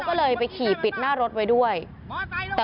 กระทั่งตำรวจก็มาด้วยนะคะ